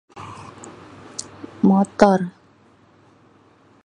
motor